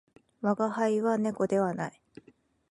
我が輩は猫ではない